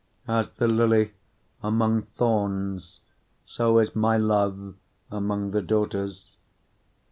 2:2 As the lily among thorns, so is my love among the daughters.